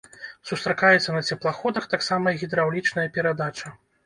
Сустракаецца на цеплаходах таксама і гідраўлічная перадача.